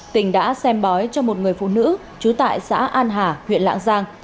tỉnh đã xem bói cho một người phụ nữ trú tại xã an hà huyện lạng giang